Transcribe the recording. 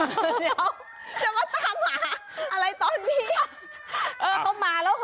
เดี๋ยวจะมาตามหาอะไรตอนนี้